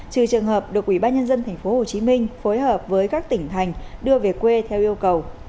trừ trường hợp được ubnd tp hcm phối hợp với các tỉnh thành đưa về quê theo yêu cầu